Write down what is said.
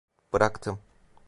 Bıraktım.